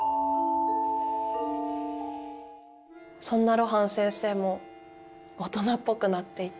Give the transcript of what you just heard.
そんな露伴先生も大人っぽくなっていて。